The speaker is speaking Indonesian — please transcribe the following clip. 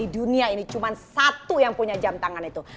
di dunia ini cuma satu yang punya jam tangan itu